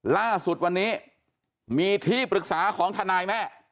ล่าสุดวันนี้มีที่ปรึกษาของทนายแม่